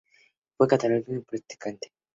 Fue católico practicante.